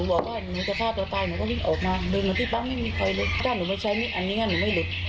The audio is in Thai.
บอกว่าหนูนอนหนูหินแล้วพี่มันถูกบ้าง